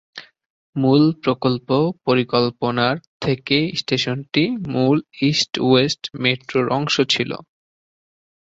মূল প্রকল্প পরিকল্পনার থেকেই স্টেশনটি মূল ইস্ট-ওয়েস্ট মেট্রোর অংশ ছিল।